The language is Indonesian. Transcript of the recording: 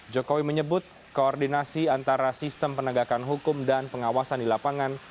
jokowi menyebut koordinasi antara sistem penegakan hukum dan pengawasan di lapangan